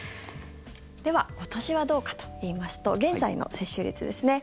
では、今年はどうかといいますと現在の接種率ですね。